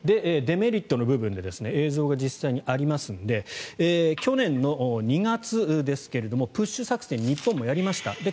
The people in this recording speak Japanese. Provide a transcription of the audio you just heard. デメリットの部分で映像が実際にありますので去年２月ですが、プッシュ作戦日本もやりました。